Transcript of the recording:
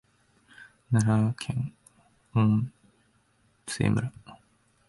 奈良県御杖村